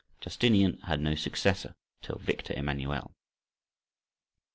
Justinian had no successor till Victor Emmanuel.